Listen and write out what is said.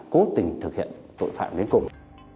cố tình thực hiện tội phạm đến cùng